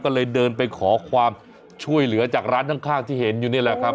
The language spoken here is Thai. ก็เลยเดินไปขอความช่วยเหลือจากร้านข้างที่เห็นอยู่นี่แหละครับ